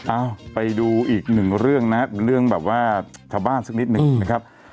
เอ้าไปดูอีกหนึ่งเรื่องนะครับเป็นเรื่องแบบว่าชาวบ้านสักนิดหนึ่งนะครับ